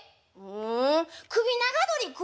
「首長鳥首